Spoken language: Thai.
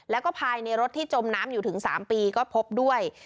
แล้วก็ภายในรถที่จมน้ำอยู่ถึง๓ปีก็พบด้วย